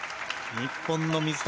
日本の水谷